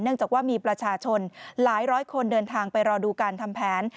จากว่ามีประชาชนหลายร้อยคนเดินทางไปรอดูการทำแผน